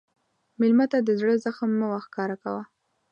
مېلمه ته د زړه زخم مه ښکاره کوه.